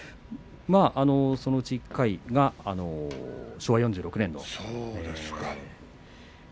そのうちの１回が昭和４６年。